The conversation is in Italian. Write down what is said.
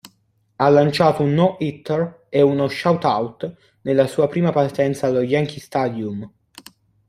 Ha lanciato un no-hitter e uno shutout alla sua prima partenza allo Yankee Stadium.